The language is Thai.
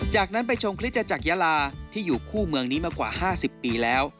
จากนั้นไปชมคริสตจักรยาลาที่อยู่คู่เมืองนี้มากว่า๕๐ปีแล้ว